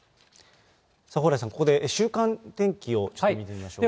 蓬莱さん、ここで週間天気をちょっと見てみましょうか。